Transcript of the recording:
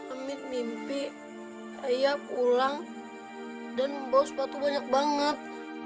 amit mimpi ayah pulang dan membawa sepatu banyak banget